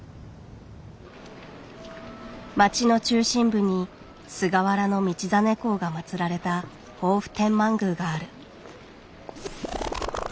町の中心部に菅原道真公が祭られた防府天満宮がある。